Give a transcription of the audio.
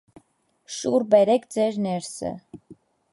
Շուռ բերեք ձեր ներսը։